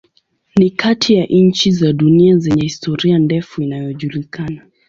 Ni kati ya nchi za dunia zenye historia ndefu inayojulikana.